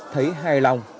thấy hài lòng